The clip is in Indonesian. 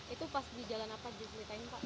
itu pas di jalan apa